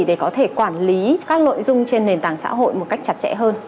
để có thể quản lý các nội dung trên nền tảng xã hội một cách chặt chẽ hơn